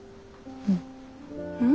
うん。